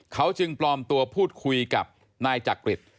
เขาจึงปลอมตัวพูดคุยกับนายจักริต